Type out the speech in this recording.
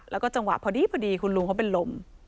แล้วก็จังหวะพอดีพอดีคุณลุงเขาเป็นลม